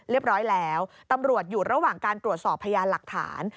เรียบร้อยแล้วตำรวจหยุดระหว่างการตรวจสอบพยานหลักฐาน